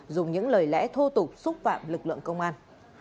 dùng những lời lẽ thô tục xúc phạm lực lượng công an